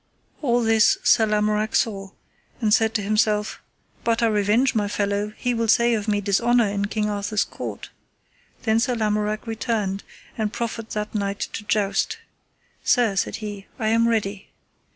All this Sir Lamorak saw, and said to himself: But I revenge my fellow he will say of me dishonour in King Arthur's court. Then Sir Lamorak returned and proffered that knight to joust. Sir, said he, I am ready.